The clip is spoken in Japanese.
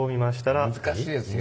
難しいですよ